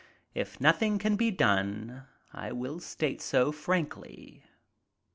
If nothing can be done I will state so frankly."